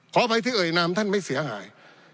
ขออภัยที่เอ่ยนามท่านไม่เสียหาย